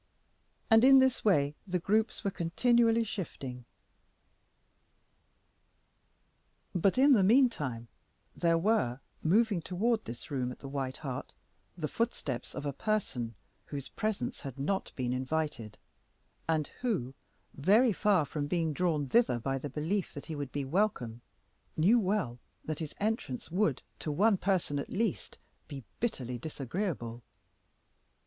And in this way the groups were continually shifting. But in the meantime there were moving toward this room at the White Hart the footsteps of a person whose presence had not been invited, and who, very far from being drawn thither by the belief that he would be welcome, knew well that his entrance would, to one person at least, be bitterly disagreeable.